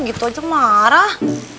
gitu aja marah